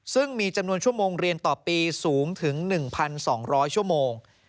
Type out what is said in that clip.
ซึ่งมีจำนวนชั่วโมงเรียนต่อปีสูงถึง๑๒๐๐ชั่วโมง